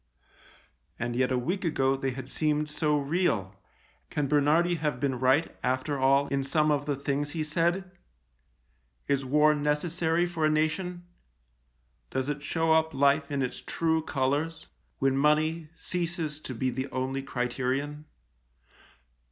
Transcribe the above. ... And yet a week ago they had seemed so real. Can Bernhardi have been right, after all, in some of the things he said ? Is war necessary for a nation ? Does it show up life in its true colours — when money ceases to be the only criterion